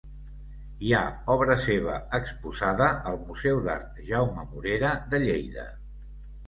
Hi ha obra seva exposada al Museu d'Art Jaume Morera de Lleida.